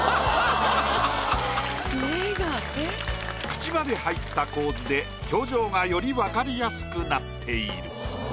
口まで入った構図で表情がより分かりやすくなっている。